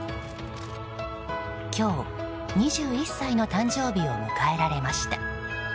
今日、２１歳の誕生日を迎えられました。